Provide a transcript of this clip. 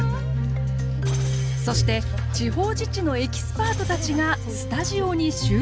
そして地方自治のエキスパートたちがスタジオに集合！